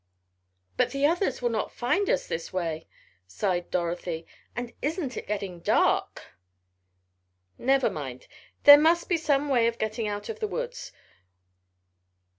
"But the others will not find us this way," sighed Dorothy, "and isn't it getting dark!" "Never mind. There must be some way of getting out of the woods.